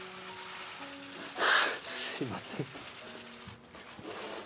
すみません。